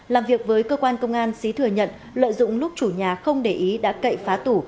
làm việc với cơ quan công an xí thừa nhận lợi dụng lúc chủ nhà không để ý đã cậy phá tủ